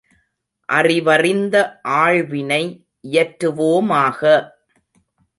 அறிவறிந்த ஆழ்வினை இயற்றுவோமாக!